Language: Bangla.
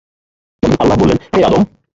তখন আল্লাহ বললেন, হে আদম!